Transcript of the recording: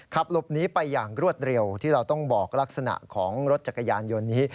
ขับหลบหนีไปอย่างรวดเร็วที่เราต้องบอกลักษณะของรถจักรยานยนต์นี้